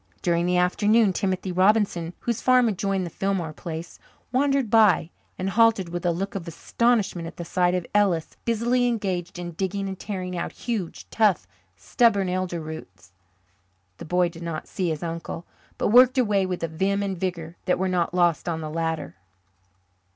During the afternoon Timothy Robinson, whose farm adjoined the Fillmore place, wandered by and halted with a look of astonishment at the sight of Ellis, busily engaged in digging and tearing out huge, tough, stubborn elder roots. The boy did not see his uncle, but worked away with a vim and vigour that were not lost on the latter.